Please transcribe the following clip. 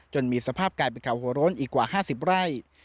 มีสภาพกลายเป็นเขาหัวโล้นอีกกว่า๕๐ไร่